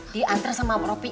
dianter sama mbak ropi